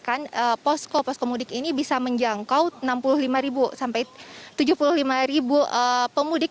saya agetkan postkomudik ini bisa menjangkau enam puluh lima sampai tujuh puluh lima pemudik